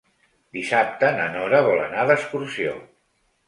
Dissabte na Nora vol anar d'excursió.